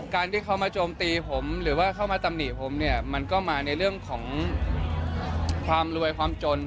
การที่เขามาโจมตีผมหรือว่าเข้ามาตำหนิผมเนี่ยมันก็มาในเรื่องของความรวยความจน